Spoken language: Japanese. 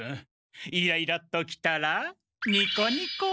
イライラッときたらニコニコ。